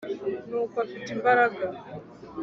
n uko afite imbaraga